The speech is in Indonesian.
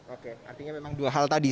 oke artinya memang dua hal tadi